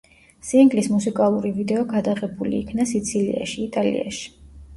სინგლის მუსიკალური ვიდეო გადაღებული იქნა სიცილიაში, იტალიაში.